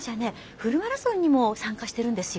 フルマラソンにも参加してるんですよ。